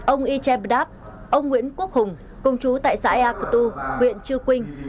ông y cheb dap ông nguyễn quốc hùng công chú tại xã a cơ tu huyện chu quỳnh